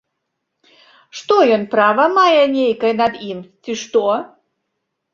Што ён права мае нейкае над ім, ці што?